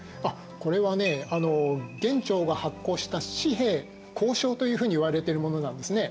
これはね元朝が発行した紙幣交鈔というふうにいわれてるものなんですね。